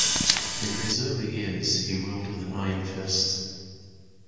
In his early years he ruled with an iron fist.